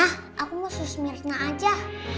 pokoknya aku mau sus minah aja